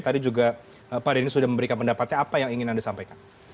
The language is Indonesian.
tadi juga pak denny sudah memberikan pendapatnya apa yang ingin anda sampaikan